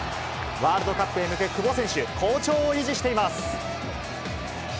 ワールドカップへ向け、久保選手、好調を維持しています。